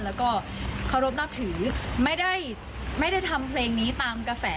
แล้วก็เคารพนับถือไม่ได้ทำเพลงนี้ตามกระแส